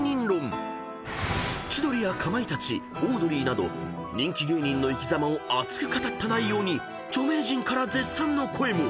［千鳥やかまいたちオードリーなど人気芸人の生きざまを熱く語った内容に著名人から絶賛の声も。